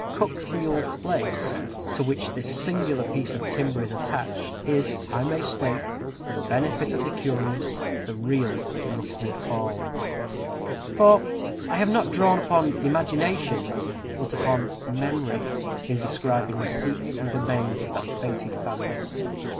Cuckfield Place, to which this singular piece of timber is attached, is, I may state, for the benefit of the curious, the real Rookwood Hall; for I have not drawn upon imagination, but upon memory, in describing the seat and domains of that fated family.